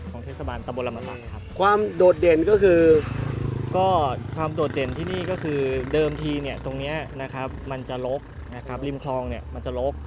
ของทศนัยกรรมทะบยนติและธนเบิร์นค